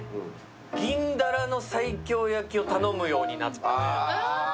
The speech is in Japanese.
銀だらの西京焼きを頼むようになって。